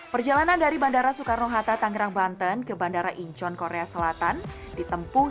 perjalanan dari bandara soekarno hatta tangerang banten ke bandara incheon korea selatan ditempuh